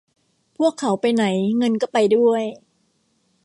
พวกเขาไปไหนเงินก็ไปด้วย